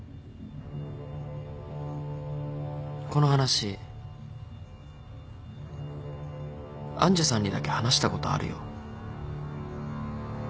この話愛珠さんにだけ話したことあるよ。